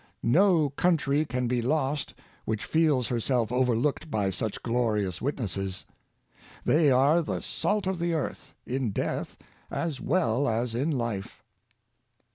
No country can be lost which feels herself overlooked by such glorious witnesses. They are the salt of the earth, in death as well as in life.